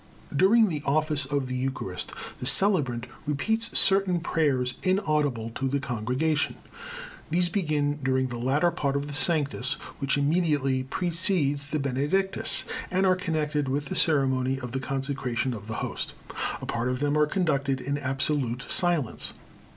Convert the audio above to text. During the office of the Eucharist the celebrant repeats certain prayers inaudible to the congregation. These begin during the latter part of the Sanctus, which immediately precedes the Benedictus, and are connected with the ceremony of the consecration of the Host. A part of them are conducted in absolute silence.